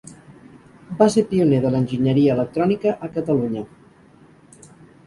Va ser pioner de l'enginyeria electrònica a Catalunya.